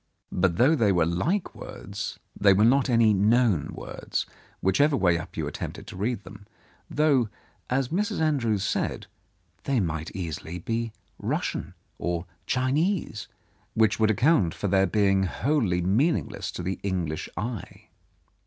But though they were like words, they were not any known words, whichever way up you attempted to read them, though, as Mrs. Andrews said, they might easily be Russian or Chinese, which would account for their being wholly meaningless to the English eye.